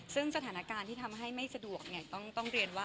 เจ้าจ๋าคิดว่าวิธีนี้เป็นวิธีที่ดี